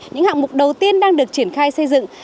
những hạng mục đầu tiên đang được triển khai xây dựng